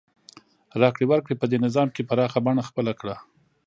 راکړې ورکړې په دې نظام کې پراخه بڼه خپله کړه.